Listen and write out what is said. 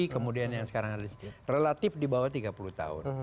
kemudian yang sekarang ada relatif di bawah tiga puluh tahun